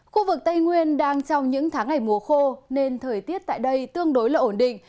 khu vực tây nguyên đang trong những tháng ngày mùa khô nên thời tiết tại đây tương đối là ổn định